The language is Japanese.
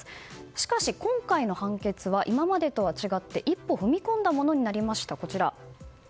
しかし、今回の判決は今までとは違って一歩踏み込んだものになりました。